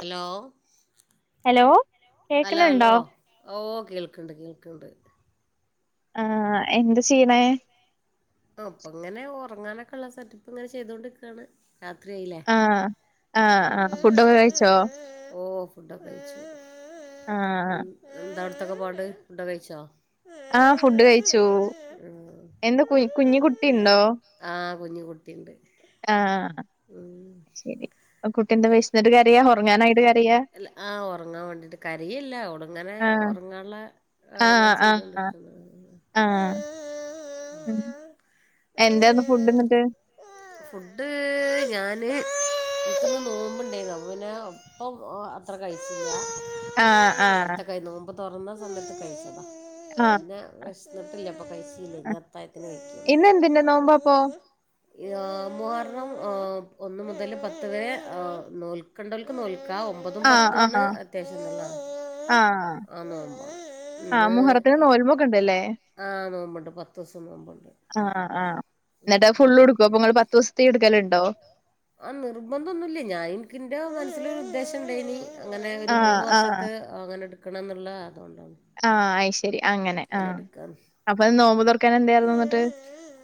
Hello hello കേക്ക്ണ് hello hello ണ്ടോ? ഓ കേൾക്കണ്ട് കേൾക്ക്ണ്ട്. ആഹ് എന്ത ചെയ്യ്ണെ? ഇപ്പൊ ഇങ്ങനെ ഒറങ്ങാനൊക്കെള്ള സെറ്റപ്പ് ങ്ങനെ ചെയ്തോണ്ട്ക്കാണ്. ആഹ് ആഹ് ആഹ് ഫുഡൊക്കെ കഴിച്ചോ? ഫുടൊക്കെ കഴിച്ചു. ആഹ് ത്തൊക്കെ പാട്. ഫുഡൊക്കെ കഴിച്ചോ? ആഹ് ഫുഡ് കഴി ച്ചൂ. എന്താ കുയ് കുഞ്ഞി കുട്ടി ണ്ടോ? കുഞ്ഞ് കുട്ടിണ്ട്. ആഹ് ശെരി അ കുട്ടി എന്താ വെശ്ന്നിട് കരിയ ഒർങ്ങാനായിട്ട് കര് ല്ല ആഹ് ഒറങ്ങാ വേണ്ടിട്ട് കരയല്ല ഓള് ങ്ങനെ ആഹ് ഒർങ്ങാൻലെ ആഹ് അത്ങ്ങനെ ആഹ് ചെയ്തോണ്ടിരിക്കുന്നു ആഹ് ഉം എന്തേർന്നു ഫുഡ്ന്നട്ട് ഫുഡ് ഞാന് ഇൻക്ക്ന്ന് നോമ്പുണ്ടേ ർന്നു അപ്പ പിന്നെ ഒപ്പം അത്ര കഴിച്ചില്ല ആഹ് ആഹ് തൊറന്ന സമയത്ത് കഴിച്ചതാ ആഹ് പിന്നെ വെഷ്ന്നിട്ട്ല്ല അപ്പൊ കൈച്ചീലെ ഇഞ്ഞ് അത്തായത്തിന് കഴിക്ക്യള്ളൂ ഇന്ന് എന്തിന്റെ നോമ്പാ അപ്പൊ മുഹറം ഒന്ന് മുതൽ പത്ത് വരെ നോൽക്കണ്ടോൽക്ക് നോൽ ക്ക ഒമ്പതും ആഹ് പത്തും ആണ് ആഹ് അത്യാവശ്യം നല്ല ആഹ് നോമ്പ ആഹ് ഇന്ന് മുഹറത്തിന് നോൽമ്പൊക്കെ ഉണ്ടല്ലേ ആഹ് നോമ്പ്ണ്ട് പത്തൂസം നോമ്പ്ണ്ട് ആഹ് ആഹ് [inaudible] എന്നിട്ട് അത് ഫുള്ള് എടുക്കുവോ അപ്പൊ നിങ്ങള് പത്ത് ദിവസത്തെ എടുക്കലുണ്ടോ ആ നിർബന്ധൊന്നുല്ല ഞാൻ ഇൻക്കിന്റെ മനസ്സിലരു ഉദ്ദേശണ്ടായീനി അങ്ങനെ ഒരു ആഹ്, മൂന്ന് വർഷത്ത് അങ്ങനെ എടു കിണന്നുള്ള ആ അയ്ശേ അങ്ങന എടുക്കാ നോമ്പ് തൊറക്കാൻ എന്തായിരുന്നു എന്നിട്ട്?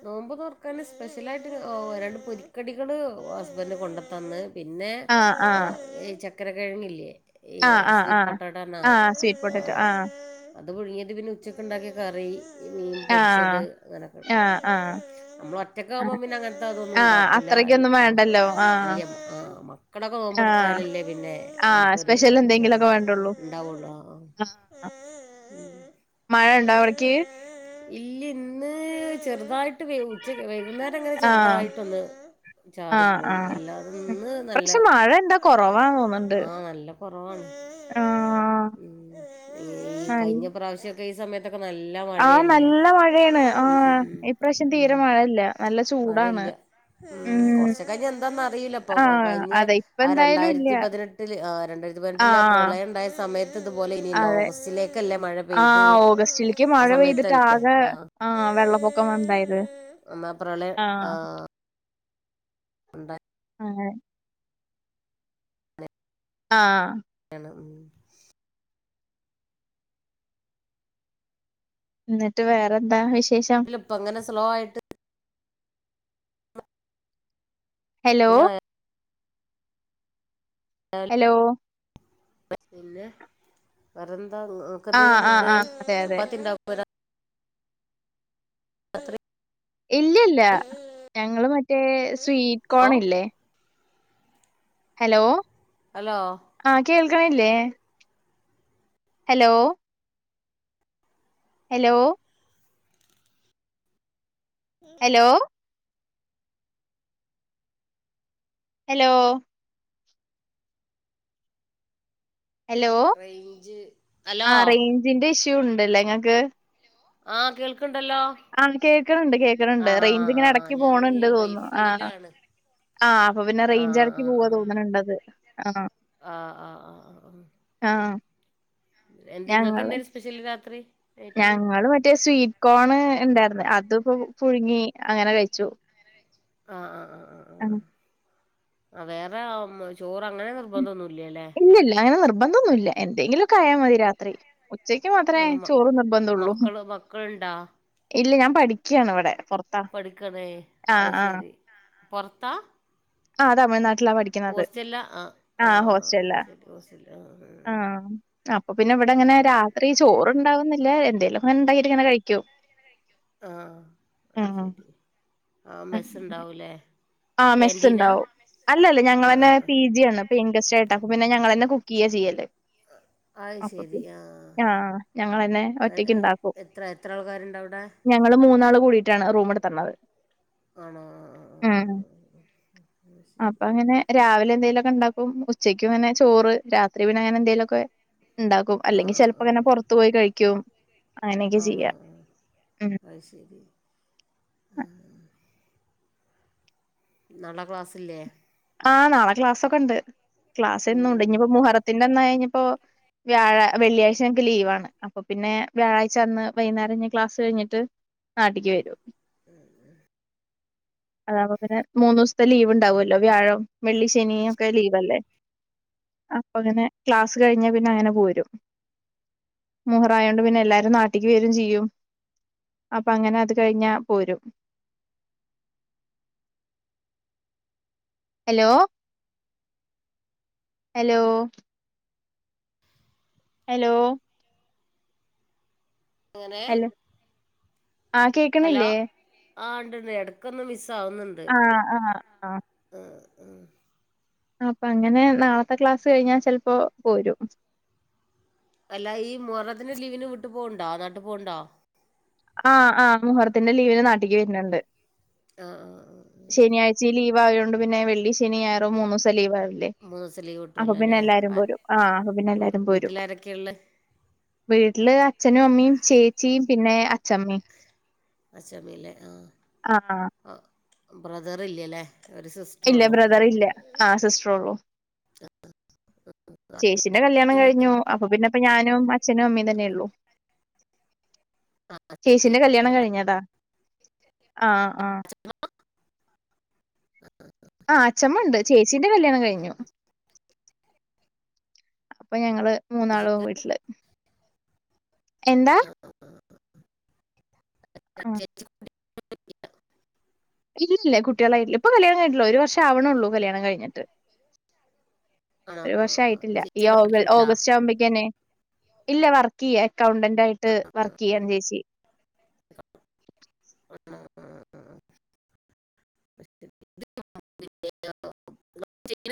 നോമ്പോ തൊർക്കാൻ സ്പെഷ്യലായിട്ട് ഒരണ്ട് പൊരി കടികള് ഹസ്ബൻഡ് കൊണ്ടുത്തന്ന് പിന്നെ ആഹ്, ഒ ആഹ്, ചക് ചക്ര കിഴങ്ങില്ലേ ആഹ് ആഹ് ആഹ് ആഹ സ്വീറ്റ് പൊട്ടാറ്റോ ആഹ് അത് പുഴുങ്ങിത് പിന്നെ ഉച്ചക്ക്ണ്ടാക്കിയ കറി മീൻ ആഹ്, പൊരിച്ചത് അങ്ങനൊക്കെ ആഹ്, ആഹ്, നമ്മൾ ഒറ്റക്കെ ആവുമ്പോ ആഹ്. പിന്നെ അങ്ങൻത്തെ തൊന്നും ആഹ് ഉണ്ടാക്കൂല അല്ല അത്രയ്ക്കൊന്നും ആ വേണ്ടല്ലോ. ആഹ്, ഇല്ല ആ മക്കളൊക്കെ ആഹ്, നോമ്പടുത്താലല്ലേ പിന്നെ ആഹ് സ്പെഷ്യൽ നമ്മുക്കൊരുന്ത എന്തെങ്കിലൊക്കെ വേണ്ടുള്ളൂ. ഉണ്ടാവുള്ളു ആ ആഹ്. ആ മഴ ഇണ്ടോ അവിട്ക്ക് ഇല്ല ഇന്ന് ചെറു ചെർതായിട്ട് ഉച്ച വൈകുന്നേരങ്ങനെ ആഹ്, ചെറുതായിട്ടൊന്ന് ആഹ്, ചാറിപ്പോയി ആഹ്. ഉം. എല്ലാതുംന്ന് നല്ല ഇപ്രാവശ്യം മഴ എന്താ കൊറവാന്ന് തോന്ന്ണ്ട്. ആ നല്ല കുറവാണ് ആഹ്. നൽ കഴിഞ്ഞ പ്രാവശ്യ ഈ സമയത്ത് [inaudible] നല്ല ആഹ് മഴല്ലേ നല്ല മഴയാണ്. ആഹ് ഇപ്രാവശ്യം തീരെ മഴയില്ല. നല്ല ചൂടാണ്. മഴയില്ല ഉം കൊർച്ച് കഴിഞ്ഞന്താന്ന അറിയില്ല ഇ പ്പൊ ആഹ് കഴിഞ്ഞ അതെ ഇപ്പ ആ എന്തായാലും ഇല്ല. രണ്ടായിരത്തി പതിനെട്ടില് രണ്ടായിരത്തി പതിനെട്ടില് ആ ആഹ് പ്രളയം ഉണ്ടായ സമയത്ത് തുപോലെ ഇനി ഓഗസ്റ്റിലേക്കല്ല മഴ ആ പെയ്ത് ഓഗസ്റ്റിൽക്ക് ആ മഴ സമയത്തല്ലേ പെയ്തിട്ടാകെ ആഹ് ആ വെള്ളപൊക്കം ഉണ്ടായത് എന്നാ പ്രളയം ആ ഉണ്ട എ ആ ഉണ്ടായാണ് ഉം എന്നിട്ട് വേറെന്താ വിശേ ഇതിലിപ്പ അങ്ങനെ സ് സ്ലോ ആയിട്ട് ഹലോ ഇതിനായ ഹലോ പിന്നെ വേറന് [unintelligible] ങ്ങ ഇങ്ങക്ക് ആഹ് എന്തായിരുന്നു ആഹ് ഫുഡ് ആഹ് അതെ അതെ ചപ്പാത്തി [unintelligible] [unintelligible] ഇല്ലല്ല ഞങ്ങള് മറ്റ് [unintelligible] സ്വീറ്റ് കോൺ ഇല്ലേ ഹലോ ഹലോ ക്കണില്ലേ? Hello hello hello hello hello range hello ആ റേഞ്ചിന്റെ ഇഷ് [unintelligible] ഉണ്ടല്ലേ ഞങ്ങക്ക്. ആ കേൾക്ക്ണ് ആ കേൾക്കണണ്ട് കേൾക്കണണ്ട് റേഞ്ച് ആഹ് ആഹ് ഇങ്ങനെ ആഹ് ആഹ് എടക്ക് ഞാന് പോണണ്ട് തോന്നുന്നു, ആ വൈഫൈയിലാണ് ആ ആ അപ്പോ പിന്നെ റേഞ്ച് എടക്ക് പോവാ തോന്നണണ്ടത്. ആ ആ ആ ആ ആ ആ ആ എന്താ ഇങ്ങക്ക് ഞങ്ങള് എന്താണ് സ്പെഷ്യൽ രാത്രി. നൈറ്റില് ഞങ്ങള് മറ്റേ സ്വീറ്റ് കോണ് ഇണ്ടാർന്ന്. അത്പ്പോ പുഴുങ്ങി അങ്ങനെ കഴിച്ചു. ആ ആ ആ ആ അ വേറെ [unintelligible] ചോറ് അങ്ങനെ നിർബന്ധോന്നുല്ലലേ. നിർബന്ധോന്നുല്ല എന്തെങ്കിലൊക്കെ ആയാ മതി രാത്രി. ഉച്ചക്ക് മാത്രേ ആഹ് മ ചോറ് നിർബന്ധോള്ളൂ, മക്കള് മക്കള്ണ്ടാ ഇല്ല ഞാൻ പഠിക്കയാണ് അവടെ. പഠിക്കണേ അത് ശെരി. പൊർത്താ ആ തമിഴ്നാട് ട്ടില്ല പഠിക്കുന്നത് ആഹ് ആ ആഹ് ഹോസ്റ്റലാ ശരി ഹോസ്റ്റലില് ആഹ് ആ അപ്പൊ പിന്നെ ഇവിടെങ്ങനെ രാത്രി ചോറുണ്ടാവുന്നില്ല എന്തേലും ആഉണ്ടാക്കിട്ടങ്ങനെ കഴിക്കോ ആഹ് അതു ശരി ആ മെസ്സുണ്ടാവൂല്ലേ ആ മെസ് ഉണ്ടാവും അല്ലല്ലഞങ്ങളെ ന്നെ ആഹ് ആഹ് പി ജി ആണ് പിൻ ഗെസ്റ്റ് ആയി ടക്ക് പിന്നെ ഞങ്ങെളെ ന്നെ കുക്ക് ചെയ്യ ചെയ്യല് അത് ശരി ആ ആ ഞങ്ങളെന്നെ എ- ഒറ്റക്ക് എ- ഉണ്ടാക്കും എത്ര എത്ര ആൾക്കാരുണ്ട് അവിടെ ഞങ്ങള് മൂന്നാളും കൂടിയിട്ടാണ് റൂമെട്തന്നത് ആണോ ആ ആ അ അ ആ അപ്പൊങ്ങനെ രാവിലെ ന്തേലൊക്കെ ണ്ടാക്കും ഉച്ചക്ക് ങ്ങനെ ചോറ് രാത്രി പിന്നെ ങ്ങനെന്തേലൊക്കെ ഇണ്ടാക്കും ആ അല്ലെങ്കി ആ ആ ചിലപ്പോങ്ങനെ പൊർത്ത് പോയി കഴിക്കും അങ്ങനെക്കെ ആ ചെയ്യ ആണോ ഉം അത് ശരി നാളെ ക്ലാസിലേ ആ നാളെ ക്ലാസ്സൊക്കെണ്ട് ക്ലാസ് എന്നുണ്ട് ഞ്പ്പോ മുഹറത്തിന്റെന്നായി ഞ്ഞ ഇപ്പോ വ്യാഴാ വെള്ളിയാഴ്ച ങ്ങക്ക് ലീവാണ് അപ്പൊ പിന്നെ വ്യാഴാഴ്ചന്ന്‌ വൈന്നേരം ഞ ക്ലാസ്സ് കഴിഞ്ഞിട്ട് നാട്ടിക്ക് വരും ഉം അതാവുമ്പ പിന്നെ മൂന്നോസത്തെ ലീവ് ണ്ടാവല്ലോ വ്യാഴം, വെള്ളി, ശനിയൊക്കെ ലീവലേ അപ്പങ്ങനെ ക്ലാസ് കഴിഞ്ഞാ പിന്നെ അങ്ങനെ പോരും മുഹറായൊണ്ട് പിന്നെ എല്ലാരും നാട്ടിക്ക് വരും ചെയ്യും അപ്പ അങ്ങനെ അത് കഴിഞ്ഞാ പോരും അലോ അലോ ഹലോ എങ്ങനെ ഹലോ ആ ഹലോ കേക്ക്ണില്ലേ ആ ണ്ട് ണ്ട് എടക്കൊന്ന് മിസ് ആ ആ ആ അപ്പങ്ങനെ നാളത്തെ ക്ലാസ്സ് കഴിഞ്ഞാ ചെൽപ്പോ പോരും അല്ല ഈ മുഹറത്തിന്റെ ലീവിന് വീട്ട് പോവ്ണ്ടോ നാട്ട് പൊവ്ണ്ടോ ആ ആ മുഹറത്തിന്റെ ലീവിന് നാട്ടിക്ക് വര്ന്ന്ണ്ട് ആ ആ ആ വയൊണ്ട് പിന്നെ വെള്ളി, ശനി, ഞായർ മൂനൂസംലീവായി മൂന്നൂസം ലീവ് കിട്ടോ ല്ലോല്ലേ അ ആ അപ്പൊ പിന്നെ വ് എല്ലാരും പോരും വീട്ടിലാരെക്കെ ള്ളെ വീട്ടില് അച്ഛനും അമ്മിം ചേച്ചിം പിന്നെ അ ചമ്മിം അച്ഛമ്മില്ലേ ആ ആഹ് ആ ബ്രദറില്ല്യല്ലേ ഇല്ല ബ്രദറില്ല ആ സിസ്റ്ററൊള്ളു ചേച്ചിന്റെ കല്യാണം അച്ഛന് കഴിഞ്ഞു അപ്പൊ പിന്നെപ്പ ഞാനും അ ച്ചനും അമ്മീം തന്നൊള്ളു ആ അച്ഛന് ചേച്ചിന്റെ കല്യാണം കഴിഞ്ഞതാ ആ ആ [unintelligible] ആ അച്ചമ്മ ണ്ട് ചേച്ചീന്റെ കല്യാണം കഴിഞ്ഞു അപ്പൊ ഞങ്ങള് മൂന്നാളും വീട്ടില് എന്താ അഹ് ഹ് ആഹ് [inaudible] ഇല്ലില്ല [unintelligible] കുട്ട്യേളായ്ല്ല ഇപ്പൊ കല്യാണം കഴിഞ്ഞിട്ടുള്ളു ഒരു വർഷം ആവണൊള്ളൂ കല്യാണം കഴിഞ്ഞിട്ട് ആ ഒരു ആ വർഷം ആ ആയിട്ടില്ല ഈ ചേച്ചി ഓ പഠിക്കണ്ടാ ഓഗസ്റ്റ് ആവുമ്പേക്കന്നെ ഇല്ല വർക്ക് ചെയ്യ അക്കൗണ്ടന്റായിട്ട് വർക്ക് ചെയ്യാൻ ചേച്ചി [unintelligible]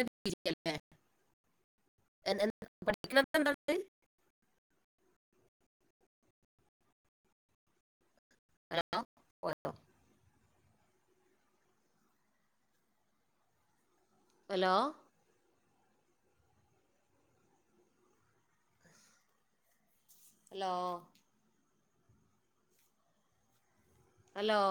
എന്തെങ്കിലും [unintelligible] [unintelligible] [unintelligible] [unintelligible] പഠിക്കണ്ക്കെ ഉണ്ടോ നിങ്ങള് [unintelligible] ഹലോ അലോ ഹലോ